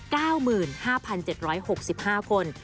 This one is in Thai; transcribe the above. เก้าหมื่นห้าพันเจ็ดร้อยหกสิบห้าคน